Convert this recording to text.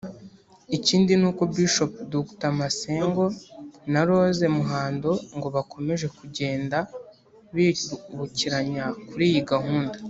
Ikindi ni uko Bishop Dr Masengo na Rose Muhando ngo bakomeje kugenda bibukiranya kuri iyi gahunda